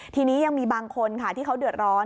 ทีนี้ยังมีบางคนค่ะที่เขาเดือดร้อน